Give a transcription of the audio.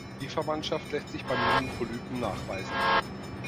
Die Verwandtschaft lässt sich beim jungen Polypen nachweisen.